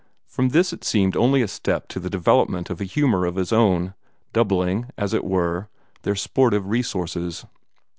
From this it seemed only a step to the development of a humor of his own, doubling, as it were, their sportive resources.